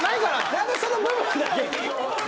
何でその部分だけ。